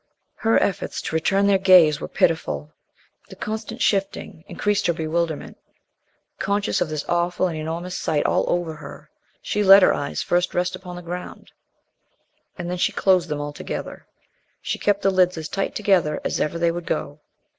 Her efforts to return their gaze were pitiful. The constant shifting increased her bewilderment. Conscious of this awful and enormous sight all over her, she let her eyes first rest upon the ground, and then she closed them altogether. She kept the lids as tight together as ever they would go.